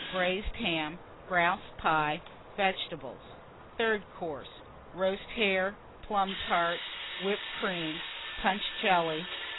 Braised Ham. Grouse Pie. Vegetables. THIRD COURSE. Roast Hare. Plum Tart. Whipped Cream. Punch Jelly.